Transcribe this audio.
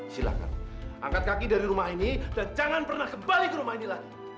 silahkan angkat kaki dari rumah ini dan jangan pernah kembali ke rumah ini lagi